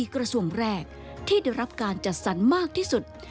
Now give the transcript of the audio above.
กระทรวงแรกที่ได้รับการจัดสรรมากที่สุด